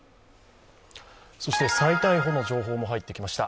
再逮捕の情報も入ってきました。